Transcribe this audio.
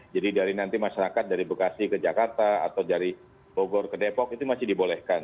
dari nanti masyarakat dari bekasi ke jakarta atau dari bogor ke depok itu masih dibolehkan